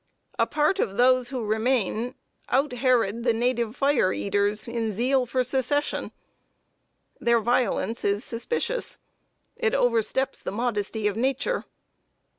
A part of those who remain out Herod the native fire eaters in zeal for Secession. Their violence is suspicious; it oversteps the modesty of nature.